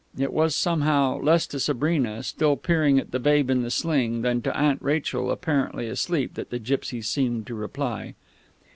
It was, somehow, less to Sabrina, still peering at the babe in the sling, than to Aunt Rachel, apparently asleep, that the gipsy seemed to reply.